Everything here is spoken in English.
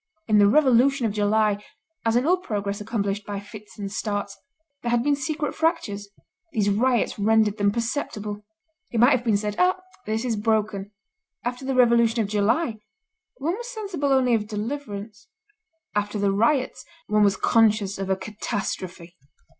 In the Revolution of July, as in all progress accomplished by fits and starts, there had been secret fractures; these riots rendered them perceptible. It might have been said: 'Ah! this is broken.' After the Revolution of July, one was sensible only of deliverance; after the riots, one was conscious of a catastrophe.